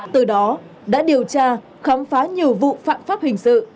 từ đó đã điều tra khám phá nhiều vụ phạm pháp hình sự